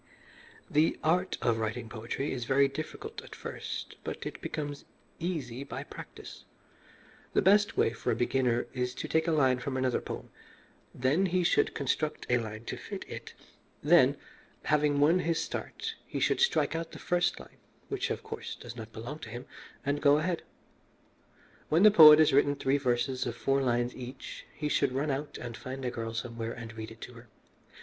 "The art of writing poetry is very difficult at first, but it becomes easy by practice. The best way for a beginner is to take a line from another poem; then he should construct a line to fit it; then, having won his start, he should strike out the first line (which, of course, does not belong to him) and go ahead. When the poet has written three verses of four lines each he should run out and find a girl somewhere and read it to her.